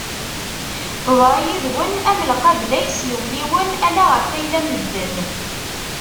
Teḍra yid-wen am lqabla yeslewliwen ala ɣef ayla n medden.